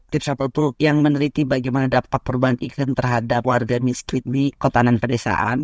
tim satu itu yang meneliti bagaimana dapat perubahan iklan terhadap warga miskin di kotanan pedesaan